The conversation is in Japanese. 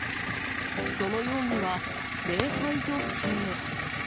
その容疑は、礼拝所不敬。